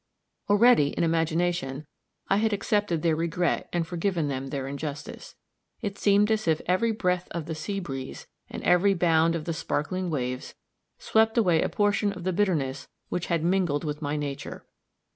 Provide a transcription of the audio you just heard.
Already, in imagination, I had accepted their regret and forgiven them their injustice. It seemed as if every breath of the sea breeze, and every bound of the sparkling waves, swept away a portion of the bitterness which had mingled with my nature.